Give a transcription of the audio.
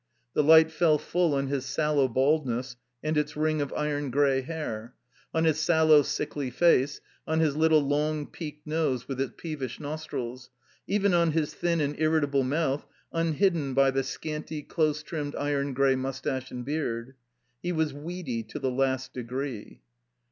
The light fell full on his sallow baldness and its ring of iron gray hair; on his sallow, sickly face; on his little long, peaked nose with its peevish nostrils; even on his thin and irritable mouth, unhidden by the scanty, close trimmed iron gray mustache and beard. He was weedy to the last degree.